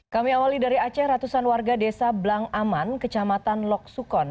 kami awali dari aceh ratusan warga desa blang aman kecamatan loksukon